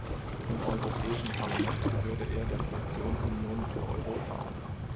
Im Europäischen Parlament gehörte er der Fraktion Union für Europa an.